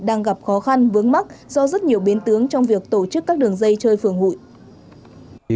đang gặp khó khăn vướng mắt do rất nhiều biến tướng trong việc tổ chức các đường dây chơi phường hụi